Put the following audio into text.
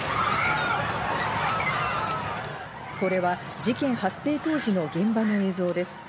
これは事件発生当時の現場の映像です。